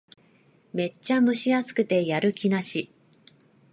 めっちゃ蒸し暑くてやる気なし